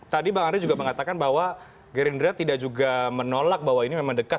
tadi bang andre juga mengatakan bahwa gerindra tidak juga menolak bahwa ini memang dekat